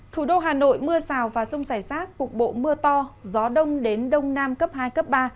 thủ đô hà nội mưa xào và sông xảy rác cục bộ mưa to gió đông đến đông nam cấp hai cấp ba